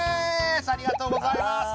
ありがとうございます。